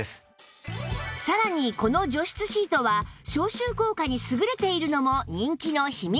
さらにこの除湿シートは消臭効果に優れているのも人気の秘密